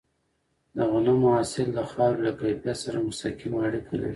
د غنمو حاصل د خاورې له کیفیت سره مستقیمه اړیکه لري.